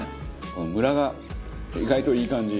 このムラが意外といい感じ。